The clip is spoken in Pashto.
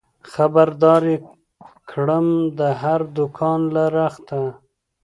خبر دار يې کړم د هر دوکان له رخته